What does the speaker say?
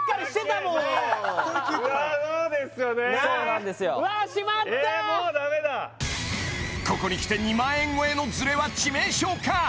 もうダメだここにきて２万円超えのズレは致命傷か？